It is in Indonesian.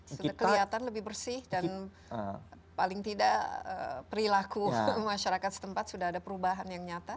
sudah kelihatan lebih bersih dan paling tidak perilaku masyarakat setempat sudah ada perubahan yang nyata